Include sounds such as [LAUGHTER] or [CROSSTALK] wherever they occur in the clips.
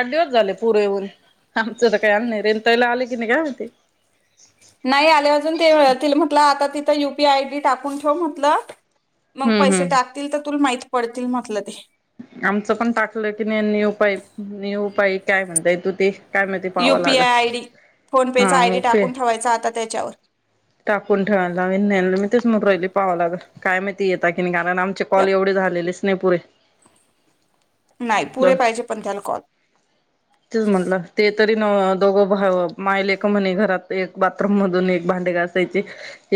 आठ दिवस झाले पूर येऊन आमचं तर काही आल नाही रेंणुताईला आले की नाही काय माहिती. नाही आले अजून ते तिला म्हटलं आता ती. यूपीआय आय डी टाकून ठेव म्हटलं तर. मग हम्म पैसे हम्म. टाकतील तर तुला माहिती. पडतील म्हटलं ते. आमचं पण टाकलं की नाही न्यू पाईप न्यू पाईप. काय म्हणताय तू ते. काय माहिती पाहावं लागल. युपीआय आयडी फोनपेचा आय हा डी ओके. टाकून ठेवायचा आता त्याच्यावर टाकून ठेवायला लावीन मी तेच म्हणुन राहिले पाहालागल काय माहिती येता की नाही कारण आमचे कॉल एवढे झालेलेच नाही पुरे. नाही पुरे पाहिजे पण त्याला कॉल. तेच म्हटलं ते तरी न दोघ मायले का म्हणे घरात एक बाथरूम मधून एक भांडे घासायचे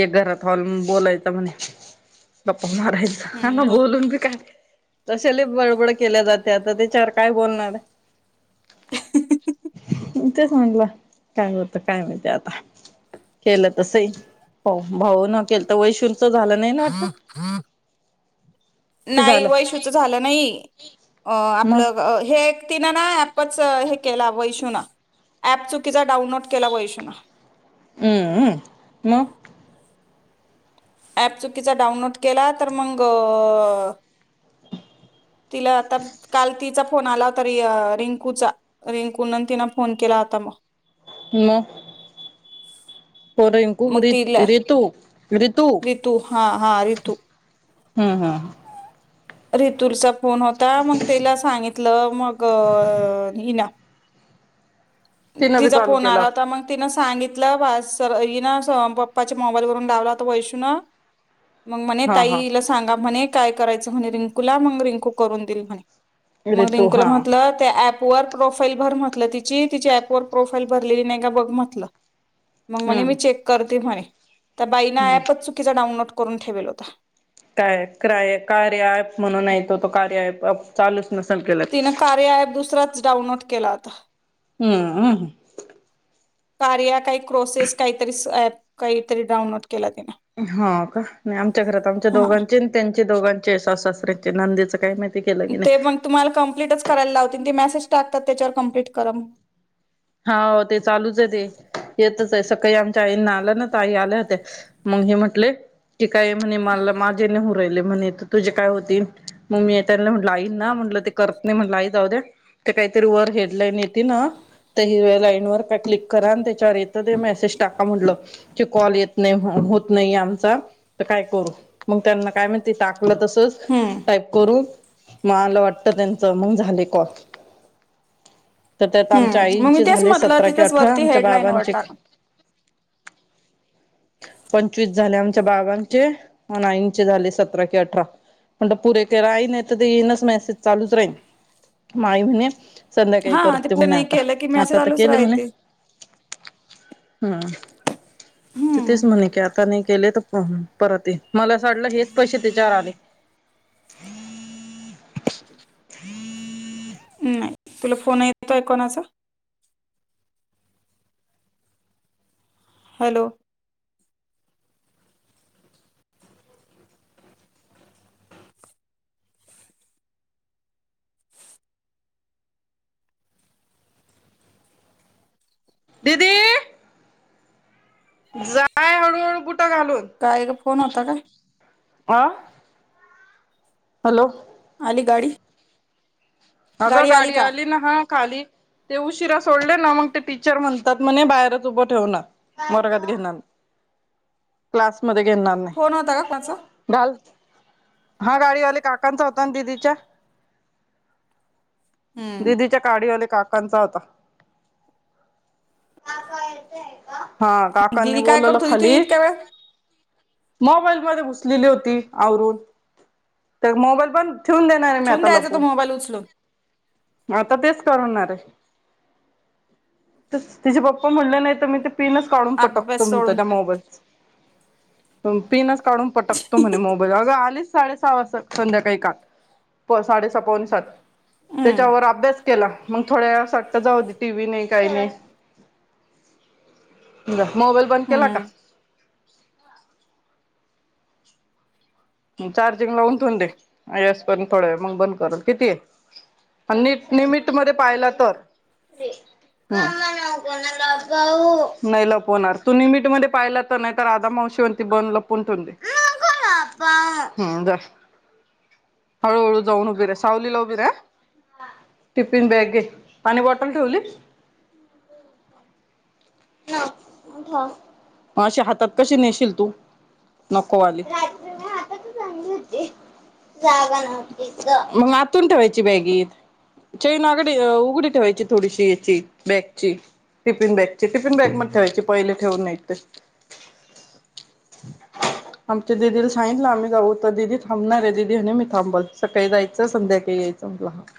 एक घरात हॉल बोलायचा म्हणे बाप्. मारायच हम्म ना बर बोलून बी काय. तशाले बळबड केल्या जाते आता त्याच्यावर काय बोलणार? आहे तेच म्हटलं काय होत काय माहिती आता केलं तसही होऊ भाऊ न केल तर वैशून. कि नाही झालं वैशूच झालं नाही अ मग आपलं हे तिन ना ऍपच हे केला वैषुण ऍप चुकीचा डाउनलोड केला वैषुण. हम्म मग? अऍप चुकीचा डाउनलोड केला तर मग तिला आता काल तिचा फोन आला होता रि रिंकूचा रिंकू न तिन फोन केला होता मग. म? [UNINTELLIGIBLE] पोर मग घुगरीत तिला रितु रितु रितू हा हा रितू हम्म हम्. ऋतुर सप. फोन होता मग तेला सांगितलं मग हिला. तिनं बी तिचा चालू फोन केला आला होता मग तिन सांगित ना पप्पाच्या मोबाईल वून लावलाता वैशूून. मग म्हणे हा हा ताईला सांगा म्हणे. काय करायचं म्हणे रिंकू ला मग रिंकू करून देईल म्हणे. मग रितू रिंकूला हा म्हटलं त्या ऑप. पर प्रोफाईल भर म्हटलं तिची. तिच्या ऍपवर प्रोफाईल भरलेली नाहीगा बघ म्हटलं. मग म्हणे हम्म मी चेक करते म्हणे. तर बाईना हम्म ॲपच चुकी डाउनलो करून ठेवेल होता. काय क्राय चालू. तीन कार्य आहे दुसरा. डाऊनलोड केला होता. हम्म हम ह. कार्या काही क्रोसेस काहीतरी ॲप काहीतरी डाऊनलोड. हा का नाही आमच्या घरात आमच्या हा दोघांचे त्यांचे दोघांचे सासु सासऱ्यांचे नंदेच काय माहीत. ते पण तुम्हाल कम्प्लिटच करायल लावतील ते मॅस सेज टाकतात त्याच्यावर कम्प्लीट करा म्हणून- हाव ते चालूच आहे ते येतच आहे सकाळी आमच्या आईंना आलं ना तर आई आल्या होत्या मग हे म्हटले- ते काय म्हणे मला माझे ने हु राहिले- म्हणे त तुझे काय होतील म मी त्यां म्हटल आईंना म्हटलं ते करत नाही म्हणलं आई जाऊद्या ते काहीतरी वर हेडलाईन येती ना- त्या हिरव्या लाईन वर काय क्लिक करा आणि त्याच्यावर येत ते मेसेज टाका म्हटलं की कॉल येत नाही होत नाही आमचा तर काय करू मग त्यांना काय म्हणती टा- म्हटलं तसंच हम्म टाईप करून- म आलं वाटत त्यांचं मग झाले कॉल- त त्यात आम- हम्म मग मी तेच म्हटलं तिथंच वरती हेडलाईन वर टाक. पंचवीस झाले आमच्या बाबांचे आणि आईंचे झाले सतरा कि अठरा म्हटलं पुरे केरा आई नाही तर ते येईनच मेसेज चालूच राहीन म आई म्हणे- संध्याकाळी हा ते करते पुढे म्हणे आ- नाही केलं की मी मेसेज रालूच राहायते- हम्म. ती हम्म तेच म्हणे की आता नाही- केले तर प्रॉब्लेम परत येईन मला असं वाटलं हेच पैसे त्याच्यावर आले- नाही तुला फोन येतोय कोणाचा- हॅलो- दीदी जय होर गुठ [INAUDIBLE] काय ग फोन होता काय- वा- हॅलो. ली गाडी. अगं गाडी आली ना हा- खाली ते उशिरा सोडले ना मग ते टीचर म्हणतात म्हणे बाहेरच उभ ठेवणार वर्गात घेणार नाही क्लास- मध्ये घेणार फोन होता का कोणाचा नाही घाल- हा गाडीवाले काकांचा होता न दिदीच्या- हम्म दिदीच्या गाडीवाले काक- कांचा होता- हा काकनी दिदी काय बोलावलं करत होती तू खाली- इतक्या वेळ मोबाईलमध्ये घुसलेली होती आवरून तर मोबाईल बंद- ठेवून देणार आहे मी ठेवून आता द्यायचा तो लपून- मोबाईल उचलून आता तेच करणार आहे- त तिचे पप्पा म्हणलं नाही तर मी ते- पिनस काढून पटकतो अभ्यास म्हणत सोडून त्या मोबाईल- पिनाच- काढून पटकतो म्हणे मोबाईल अग आली साडे सहा वाजता संध्याकाळी काल प साडेस पाऊून सात ते हम्म च रबस केला मग थोड्या वाटतं जाऊती टी व्ही नाही काही नाही जा मोबाईल बंद केला हम्म का चार्जिंग लावून थून देस पर्यंत थोड मग बंद करून किती आहे निमिट मध्ये पाहिला तर नाही लपवणार तू निमिट मध्ये पाहिला तर नाही तर आधा मावशीवरी बंद लपून ठथून दे हम् जा हळूहळू जाऊन उभी रे सावलीला उभी रे टिफिन बॅग घे पाणी बॉटल ठेवली मग अशी हातात कशी नेशील तू नकोवाली मग आतून ठेवायची बॅगत ैन आगडी उघडी ठेवायची थोडीशी याची बॅगची टिपिन बॅग टिफिन बॅग म ठेवायची पहिले ठेवून नाही ते आमच्या दिदीला सांगितलं आम्ही जाऊ तर ददी थांबणार आहे ददी आणि मी थांबल सकाळी जायचं संध्याकाळी यायचं मला